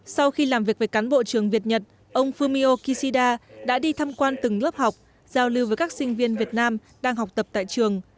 sau khi làm việc với cán bộ trường việt nhật ông fumio kishida đã đi thăm quan từng lớp học giao lưu với các sinh viên việt nam đang học tập tại trường